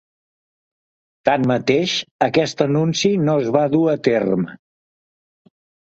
Tanmateix aquest anunci no es va dur a terme.